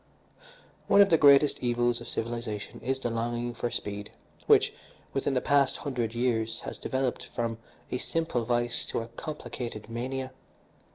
"One of the greatest evils of civilisation is the longing for speed, which, within the past hundred years, has developed from a simple vice to a complicated mania.